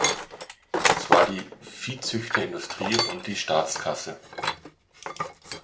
Es war die Viehzüchterindustrie und die Staatskasse.